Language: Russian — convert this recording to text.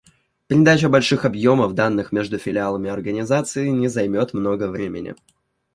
Передача больших объемов данных между филиалами организации не займет много времени